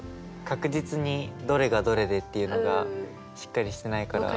確実にどれがどれでっていうのがしっかりしてないから。